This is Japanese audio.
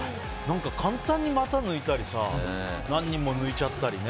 簡単に股抜いたり何人も抜いちゃったりね。